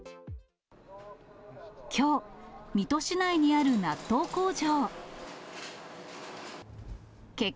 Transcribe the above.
きょう、水戸市内にある納豆工場。